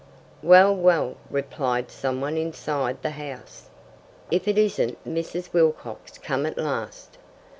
"Well, well!" replied someone inside the house. "If it isn't Mrs. Wilcox come at last!"